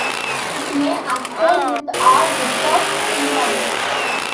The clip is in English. It may occur with or without symptoms.